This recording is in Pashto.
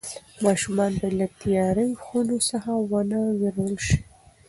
ماشومان باید له تیاره خونو څخه ونه وېرول شي.